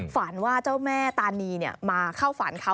ฝันว่าเจ้าแม่ตานีมาเข้าฝันเขา